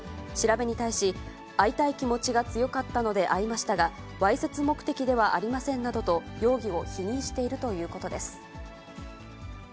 調べに対し、会いたい気持ちが強かったので会いましたが、わいせつ目的ではありませんなどと容疑を否認しているということです。